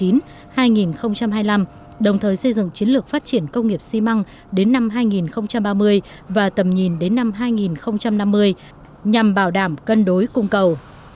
năm hai nghìn hai mươi năm đồng thời xây dựng chiến lược phát triển công nghiệp xi măng đến năm hai nghìn ba mươi và tầm nhìn đến năm hai nghìn năm mươi nhằm bảo đảm cân đối cung cầu